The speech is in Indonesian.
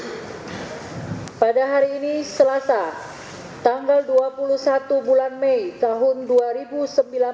tentang rekapitulasi hasil penghitungan kerolehan suara di sikap nasional dan penetapan hasil pemilihan umum tahun dua ribu sembilan belas